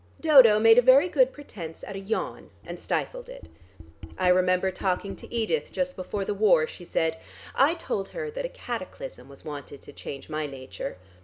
Dodo made a very good pretence at a yawn, and stifled it. "I remember talking to Edith just before the war," she said. "I told her that a cataclysm was wanted to change my nature.